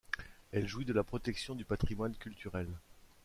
Elle jouit de la protection du patrimoine culturel.